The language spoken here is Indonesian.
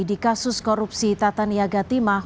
di kasus korupsi tata niaga timah